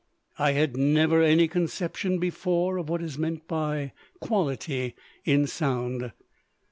I had never any conception before of what is meant by quality in sound.